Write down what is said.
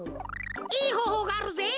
いいほうほうがあるぜ！